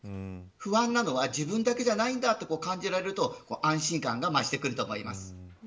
不安なのは自分だけじゃないと感じられると安心感が増してくると思います。